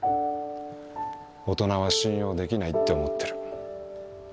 大人は信用できないって思ってる。